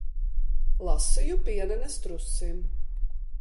Lasīju pienenes trusim.